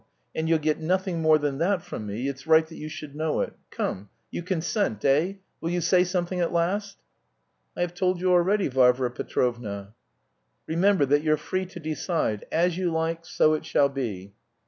And you'll get nothing more than that from me, it's right that you should know it. Come, you consent, eh? Will you say something at last?" "I have told you already, Varvara Petrovna." "Remember that you're free to decide. As you like, so it shall be."